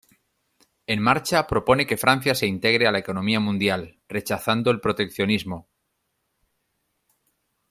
En Marcha propone que Francia se integre a la economía mundial, rechazando el proteccionismo.